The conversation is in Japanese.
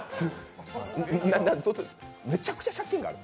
めちゃくちゃ借金がある？